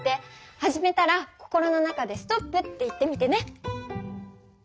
始めたら心の中で「ストップ」って言ってみてね。